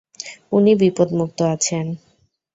উনি বিপদমুক্ত আছেন।